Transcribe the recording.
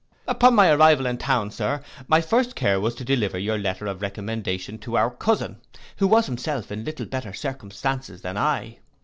'Upon my arrival in town, Sir, my first care was to deliver your letter of recommendation to our cousin, who was himself in little better circumstances than I.